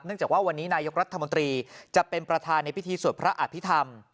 จากว่าวันนี้นายกรัฐมนตรีจะเป็นประธานในพิธีสวดพระอภิษฐรรม